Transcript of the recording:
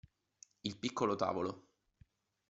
Il piccolo tavolo.